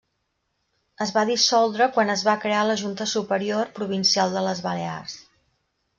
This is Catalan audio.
Es va dissoldre quan es va crear la Junta Superior Provincial de les Balears.